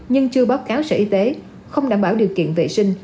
nhưng chưa báo cáo sở y tế không đảm bảo điều kiện vệ sinh